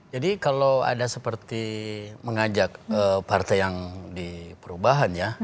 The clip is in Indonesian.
jadi kalau ada seperti mengajak partai yang diperubahannya